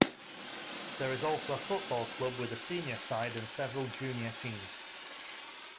There is also a football club with a senior side and several junior teams.